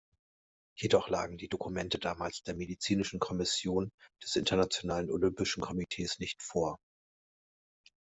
Jedoch lagen die Dokumente damals der medizinischen Kommission des Internationalen Olympischen Komitees nicht vor.